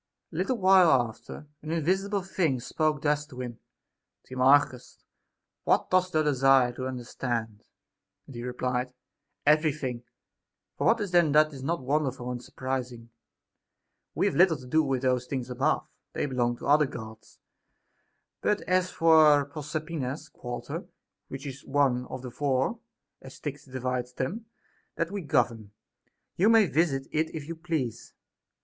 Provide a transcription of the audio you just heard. A little while after, an invisible thing spoke thus to him : Timarchus, what dost thou desire to understand 1 And he replied, Every thing ; for what is there that is not won derful and surprising] We have little to do with those things above, they belong to other Gods ; but as for Pro SOCRATES'S DAEMON. 4()9 serpina's quarter, which is one of the four (as Styx di vides them) that we govern, you may visit it if you please.